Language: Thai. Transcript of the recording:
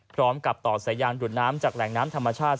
ต่อสายยางดูดน้ำจากแหล่งน้ำธรรมชาติ